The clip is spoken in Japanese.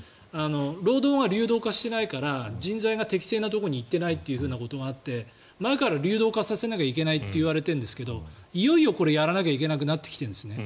労働が流動化していないから人材が適正なところに行っていないというのがあって前から流動化させなきゃいけないって言ってるんですがいよいよこれ、やらなきゃいけなくなってきてるんですね。